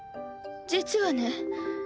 実はね。